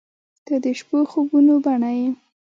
• ته د شپو خوبونو بڼه یې.